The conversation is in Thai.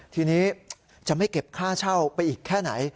ทีนี้จะไม่เก็บค่าเช่าไปอีกแค่ไหน